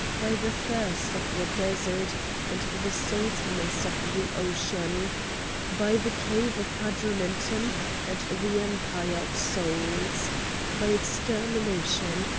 by the thirst of the desert and the saltness of the ocean! by the cave of Hadrumetum and the empire of Souls! by extermination!